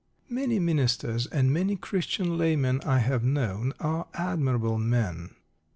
Many ministers and many Christian laymen I have known are admirable men.